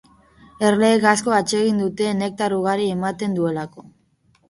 Erleek asko atsegin dute nektar ugari ematen duelako.